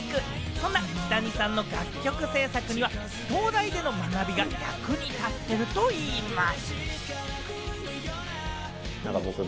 そんなキタニさんの楽曲制作には東大での学びが役に立っているといいます。